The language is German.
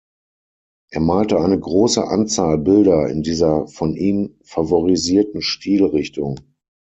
Er malte eine große Anzahl Bilder in dieser von ihm favorisierten Stilrichtung.